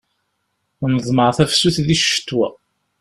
Neḍmeɛ tafsut di ccetwa.